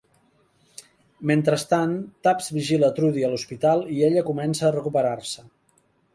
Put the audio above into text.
Mentrestant, Tubbs vigila Trudy a l'hospital, i ella comença a recuperar-se.